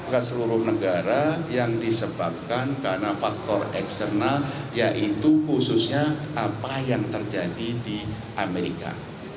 ke seluruh negara yang disebabkan karena faktor eksternal yaitu khususnya apa yang terjadi di amerika